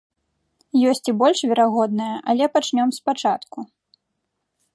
Ёсць і больш верагодная, але пачнём спачатку.